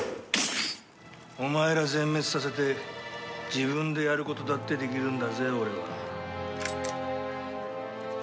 お前ら全滅させて自分でやる事だってできるんだぜ俺は。